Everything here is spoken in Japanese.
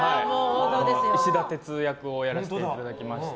石田鉄役をやらせていただきました。